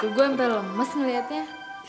tentu gue hampir lemes ngelihatnya